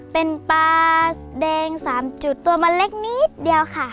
เป็นปลาแดง๓จุดตัวมันเล็กนิดเดียวค่ะ